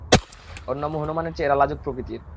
অন্য হনুমানের চেয়ে এরা লাজুক প্রকৃতির।